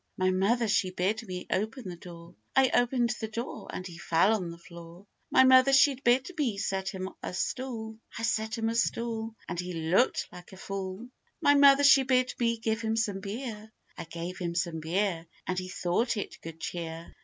My mother she bid me open the door: I opened the door, And he fell on the floor. My mother she bid me set him a stool: I set him a stool, And he looked like a fool. My mother she bid me give him some beer: I gave him some beer, And he thought it good cheer.